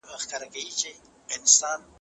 نوي افقونه پرانیزي.